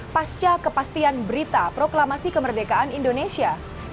pasca kepastian berita proklamasi kemerdekaan indonesia